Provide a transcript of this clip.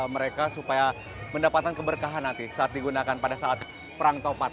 mereka supaya mendapatkan keberkahan nanti saat digunakan pada saat perang topat